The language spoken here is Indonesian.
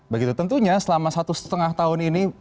begitu tentunya selama satu setengah tahun ini